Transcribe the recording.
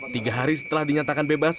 tiga hari setelah dinyatakan bebas